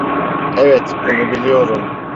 Evet, bunu biliyorum.